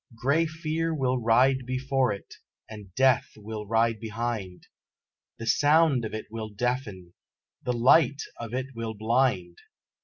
Grey Fear will ride before it, and Death will ride behind, The sound of it will deafen, the light of it will blind!